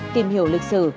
tìm hiểu lịch sử